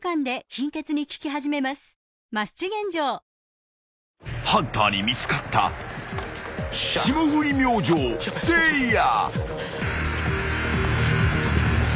三菱電機［ハンターに見つかった霜降り明星せいや］